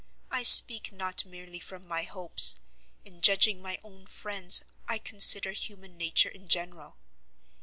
I speak not merely from my hopes; in judging my own friends, I consider human nature in general.